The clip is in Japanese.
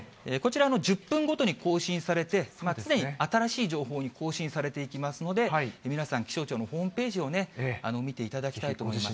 こちら、１０分ごとに更新されて、常に新しい情報に更新されていきますので、皆さん、気象庁のホームページを見ていただきたいと思います。